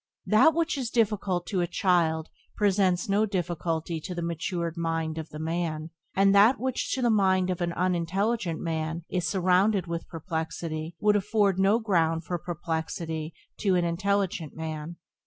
That which is difficult to a child presents no difficulty to the matured mind of the man; and that which to the mind of an unintelligent man is surrounded with perplexity would afford no ground for perplexity to an intelligent man.